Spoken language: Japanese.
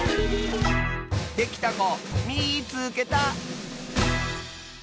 できたこみいつけた！